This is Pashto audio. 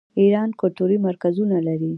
ایران کلتوري مرکزونه لري.